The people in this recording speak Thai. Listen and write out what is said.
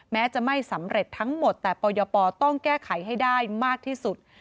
แม้จะไม่สำเร็จทั้งหมดแต่ปยปต้องแก้ไขให้ได้มากที่สุด